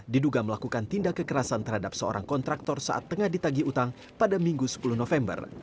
diduga melakukan tindak kekerasan terhadap seorang kontraktor saat tengah ditagi utang pada minggu sepuluh november